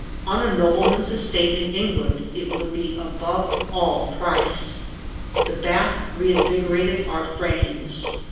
On a nobleman's estate in England it would be above all price. The bath reinvigorated our frames.